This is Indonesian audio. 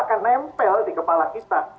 akan nempel di kepala kita